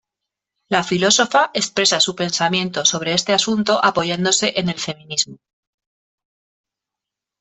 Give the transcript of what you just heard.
La filósofa expresa su pensamiento sobre este asunto apoyándose en el feminismo.